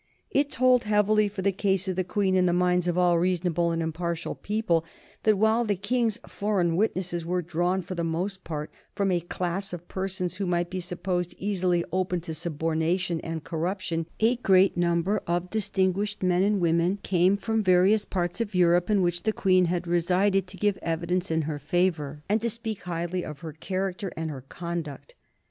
It told heavily for the case of the Queen, in the minds of all reasonable and impartial people, that while the King's foreign witnesses were drawn for the most part from a class of persons who might be supposed easily open to subornation and corruption, a great number of distinguished men and women came from various parts of Europe in which the Queen had resided to give evidence in her favor, and to speak highly of her character and her conduct.